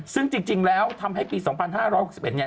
ซึ่งจริงแล้วทำให้ปี๒๕๖๑เนี่ย